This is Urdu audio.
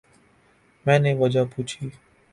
میں نے وجہ پوچھی۔